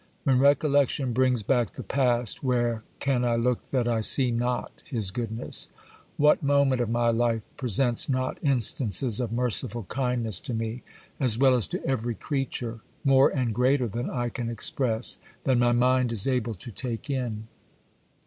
When recollection brings back the past, where can I look that I see not His goodness? What moment of my life presents not instances of merciful kindness to me, as well as to every creature, more and greater than I can express, than my mind is able to take in?